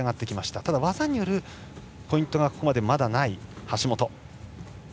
ただ、技によるポイントがここまでまだない橋本。